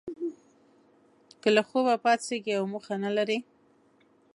که له خوبه پاڅیږی او موخه نه لرئ